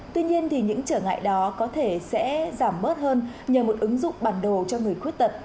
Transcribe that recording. tuy nhiên những trở ngại đó có thể sẽ giảm bớt hơn nhờ một ứng dụng bản đồ cho người khuyết tật